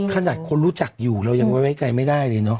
ขนาดคนรู้จักอยู่เรายังไว้ใจไม่ได้เลยเนาะ